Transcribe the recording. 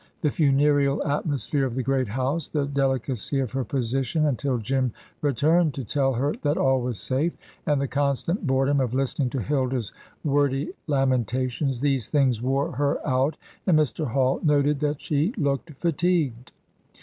The funereal atmosphere of the great house, the delicacy of her position until Jim returned to tell her that all was safe, and the constant boredom of listening to Hilda's wordy lamentations these things wore her out, and Mr. Hall noted that she looked fatigued.